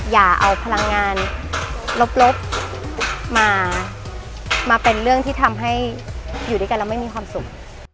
อย่าเอาพลังงานลบมาเป็นเรื่องที่ทำให้อยู่ด้วยกันแล้วไม่มีความสุข